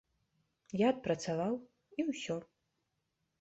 Я адпрацаваў, і ўсё.